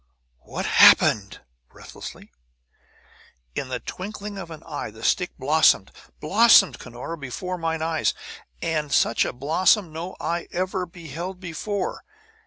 "What happened?" breathlessly. "In the twinkling of an eye, the stick blossomed! Blossomed, Cunora, before mine eyes! And such a blossom no eye ever beheld before.